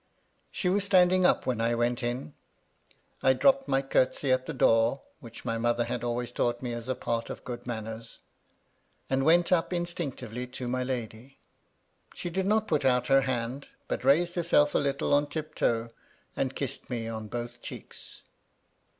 She was standing up when I went in. I dropped my curtsy at the door, which my mother had always taught me as a part of good manners, and went up instinctively to my lady. She did not put out her hand, but raised herself a little on tiptoe, and kissed me on both cheeks.